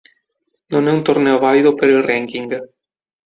Non è un torneo valido per il ranking.